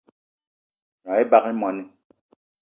Gnong ebag í moní